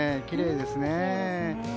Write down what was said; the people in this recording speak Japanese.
きれいですね。